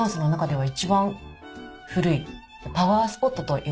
はい。